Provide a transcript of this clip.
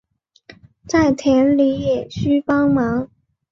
在田里也需帮忙